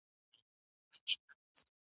ته ولي سبزیجات پاخوې؟